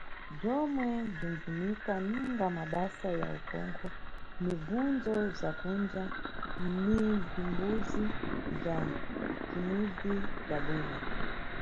Bzomwe bzimʼbvumika ninga mabasa ya ukhonkho mʼmbuzo za kunja ni bzimbudzi bza nʼcimidzi bza bwino.